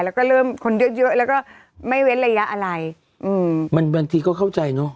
แล้วก็เริ่มคนเยอะเยอะแล้วก็ไม่เว้นระยะอะไรอืมมันบางทีก็เข้าใจเนอะ